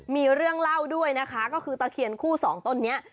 มีเรื่องเล่าด้วยนะคะก็คือตะเคียนคู่สองต้นนี้